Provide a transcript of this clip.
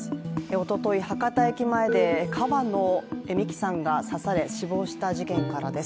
おととい、博多駅前で川野美樹さんが刺され死亡した事件からです。